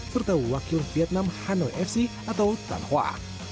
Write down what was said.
serta wakil vietnam hanoi fc atau tan hoa